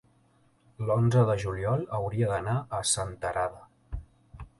l'onze de juliol hauria d'anar a Senterada.